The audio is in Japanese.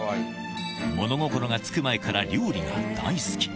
物心がつく前から料理が大好き。